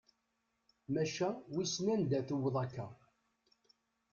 Maca wissen anda tewweḍ akka.